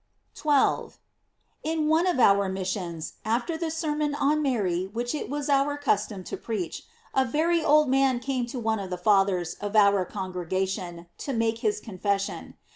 12. — In one of our missions, after the sermon on Mary which it is our custom to preach, a very old man came to one of the Fathers of our congregation, to make his confession.